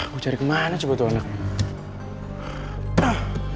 gue cari kemana coba tuh anaknya